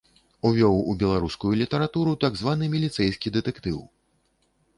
Увёў у беларускую літаратуру так званы міліцэйскі дэтэктыў.